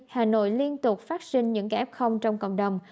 hà nội liên tục phát sinh những cái f trong cộng đồng